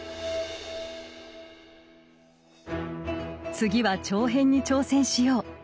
「次は長編に挑戦しよう」。